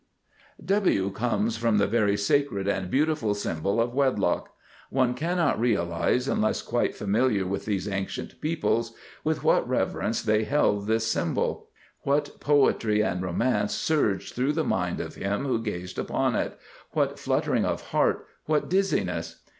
W [Illustration: W] comes from the very sacred and beautiful symbol of Wedlock. One cannot realize, unless quite familiar with these ancient peoples, with what reverence they held this symbol. What poetry and romance surged through the mind of him who gazed upon it, what fluttering of heart, what dizziness.